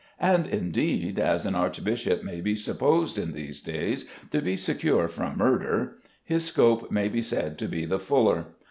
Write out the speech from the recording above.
And, indeed, as an archbishop may be supposed in these days to be secure from murder, his scope may be said to be the fuller.